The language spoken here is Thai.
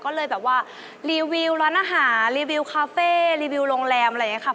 ก็เลยแบบว่ารีวิวร้านอาหารรีวิวคาเฟ่รีวิวโรงแรมอะไรอย่างนี้ค่ะ